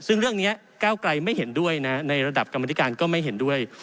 ซึ่งเรื่องนี้ก้าวไกลไม่เห็นด้วยนะในระดับกรรมธิการก็ไม่เห็นด้วย